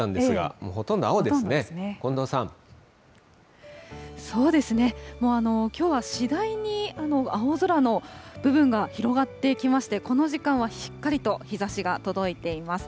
もうきょうは次第に青空の部分が広がってきまして、この時間はしっかりと日ざしが届いています。